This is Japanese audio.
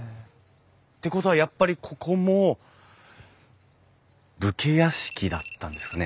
ってことはやっぱりここも武家屋敷だったんですかね？